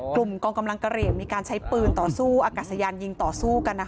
กองกำลังกะเหลี่ยงมีการใช้ปืนต่อสู้อากาศยานยิงต่อสู้กัน